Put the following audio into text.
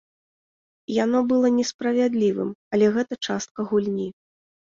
Яно было несправядлівым, але гэта частка гульні.